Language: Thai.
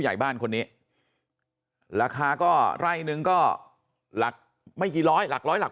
ใหญ่บ้านคนนี้ราคาก็ไร่นึงก็หลักไม่กี่ร้อยหลักร้อยหลัก